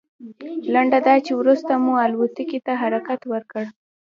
لنډه دا چې وروسته مو الوتکې ته حرکت وکړ.